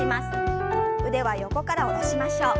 腕は横から下ろしましょう。